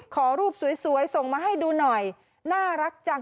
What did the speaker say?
ขอรูปสวยส่งมาให้ดูหน่อยน่ารักจัง